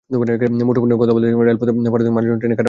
মুঠোফোনে কথা বলতে বলতে রেলপথ পার হতে গিয়ে মানুষজন ট্রেনে কাটা পড়ছে।